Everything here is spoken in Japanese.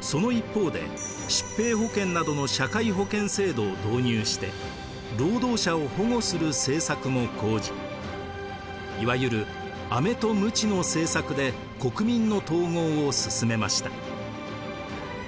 その一方で疾病保険などの社会保険制度を導入して労働者を保護する政策も講じいわゆるアメとムチの政策で国民の統合をすすめました。